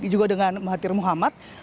juga dengan mahathir muhammad